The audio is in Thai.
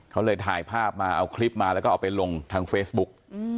เขาเลยถ่ายภาพมาเอาคลิปมาแล้วก็เอาไปลงทางเฟซบุ๊ก